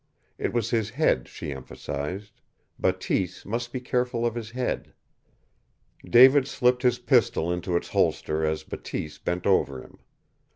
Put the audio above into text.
It was his head, she emphasized. Bateese must be careful of his head. David slipped his pistol into its holster as Bateese bent over him.